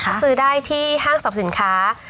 สามารถซื้อได้ที่ห้างสอบสินค้า